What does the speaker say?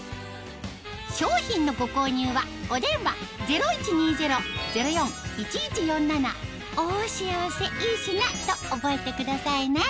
商品のご購入はお電話０１２０−０４−１１４７と覚えてくださいね